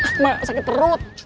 sama sakit perut